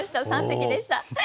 三席でした。